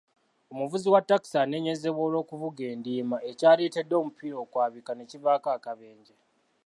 Omuvuzi wa ttakisi anenyezebwa olw'okuvuga endiima, ekyaleetedde omupiira okwabika ne kivaako akabenje.